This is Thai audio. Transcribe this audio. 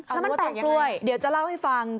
แล้วมันเปล่าอย่างไรเดี๋ยวจะเล่าให้ฟัง